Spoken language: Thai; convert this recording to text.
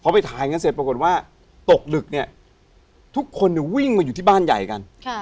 พอไปถ่ายกันเสร็จปรากฏว่าตกดึกเนี่ยทุกคนวิ่งมาอยู่ที่บ้านใหญ่กัน